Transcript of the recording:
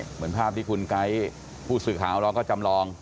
เหมือนภาพที่คุณไก๊ผู้สื่อข่าวของเราก็จำลอง